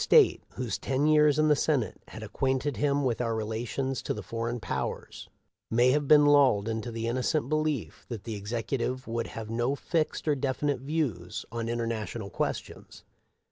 541 State, whose ten years in the Senate had acquainted him with our relations to foreign powers, may have been lulled into the innocent belief that the Execu tive would have no fixed or definite views on in ternational questions.